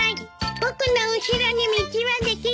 僕の後ろに道は出来る」